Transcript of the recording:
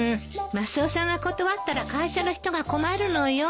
マスオさんが断ったら会社の人が困るのよ。